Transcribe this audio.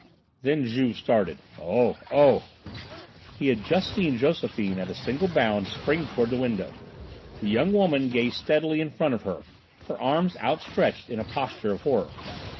Then Juve started. "Oh! oh!" He had just seen Josephine at a single bound spring toward the window. The young woman gazed steadily in front of her, her arms outstretched in a posture of horror.